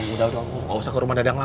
udah udah gue gausah ke rumah dadang lah